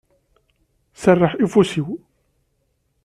Serreḥ i ufus-iw.